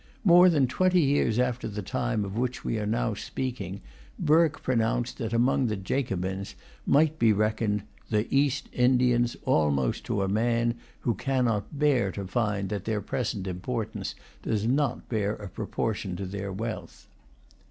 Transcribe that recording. More than twenty years after the time of which we are now speaking, Burke pronounced that among the Jacobins might be reckoned "the East Indians almost to a man, who cannot bear to find that their present importance does not bear a proportion to their wealth."